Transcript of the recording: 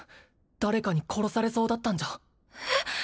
誰かに殺されそうだったんじゃえっ